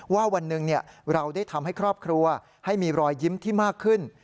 วันหนึ่งเราได้ทำให้ครอบครัวให้มีรอยยิ้มที่มากขึ้น